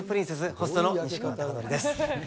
ホストの西川貴教です。